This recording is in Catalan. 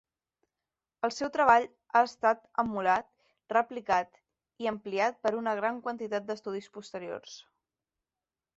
El seu treball ha estat emulat, replicat i ampliat per una gran quantitat d'estudis posteriors.